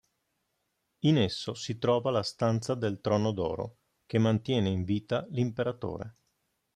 In esso si trova la stanza del Trono d'Oro, che mantiene in vita l'Imperatore.